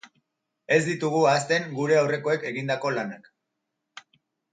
Ez ditugu ahazten gure aurrekoek egindako lanak.